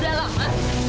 udah lah mas